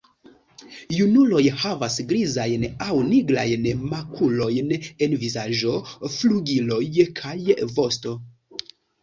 Junuloj havas grizajn aŭ nigrajn makulojn en vizaĝo, flugiloj kaj vosto.